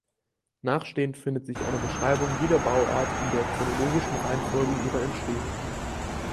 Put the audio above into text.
Nachstehend findet sich eine Beschreibung jeder Bauart, in der chronologischen Reihenfolge ihrer Entstehung.